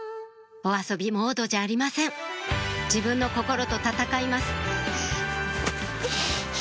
お遊びモードじゃありません自分の心と闘いますウゥ。